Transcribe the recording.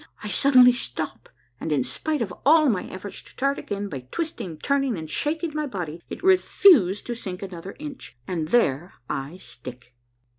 I suddenly stop, and in spite of all my efforts to start again by twisting, turning, and shaking my body, it refused to sink another inch, and there I stick.